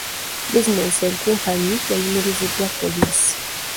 Bizinensi enkumpanyi yayimiriziddwa poliisi.